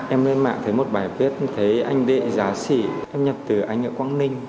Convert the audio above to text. em lên mạng thấy một bài viết thấy anh đệ giá sỉ em nhập từ anh ở quang ninh